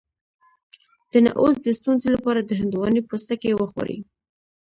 د نعوظ د ستونزې لپاره د هندواڼې پوستکی وخورئ